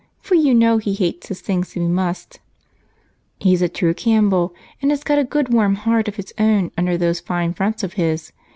For you know he hates his things to be mussed." "He's a true Campbell, and has got a good warm heart of his own under those fine fronts of his.